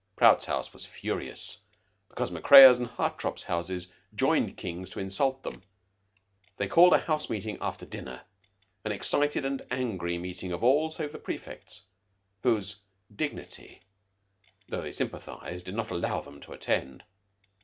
Prout's house was furious because Macrea's and Hartopp's houses joined King's to insult them. They called a house meeting after dinner an excited and angry meeting of all save the prefects, whose dignity, though they sympathized, did not allow them to attend.